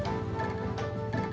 kita sama pacar deh